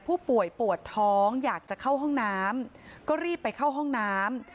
ผู้ป่วยปวดท้องอยากจะเข้าห้องน้ำก็รีบไปเข้าห้องน้ำ